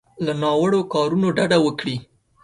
له ناوړو کارونو ډډه وکړي.